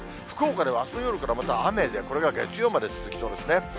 福岡ではあすの夜からまた雨で、これが月曜まで続きそうですね。